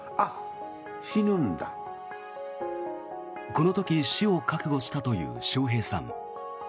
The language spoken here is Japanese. この時、死を覚悟したという笑瓶さん。